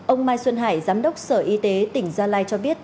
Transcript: ông mai xuân hải giám đốc sở y tế tỉnh gia lai cho biết